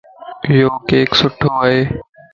ايو ڪيڪ سُٺو ائي.